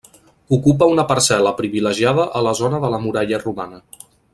Ocupa una parcel·la privilegiada a la zona de la muralla romana.